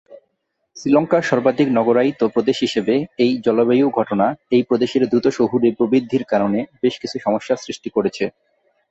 শ্রীলঙ্কার সর্বাধিক নগরায়িত প্রদেশ হিসাবে, এই জলবায়ু ঘটনা এই প্রদেশের দ্রুত শহুরে প্রবৃদ্ধির কারণে বেশ কিছু সমস্যার সৃষ্টি করেছে।